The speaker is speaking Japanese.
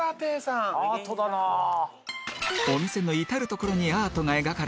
お店の至る所にアートが描かれた